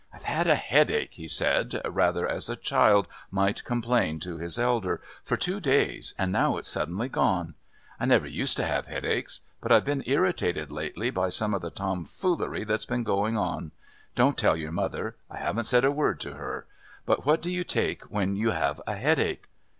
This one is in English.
"I've had a headache," he said, rather as a child might complain to his elder, "for two days, and now it's suddenly gone. I never used to have headaches. But I've been irritated lately by some of the tomfoolery that's been going on. Don't tell your mother; I haven't said a word to her; but what do you take when you have a headache?"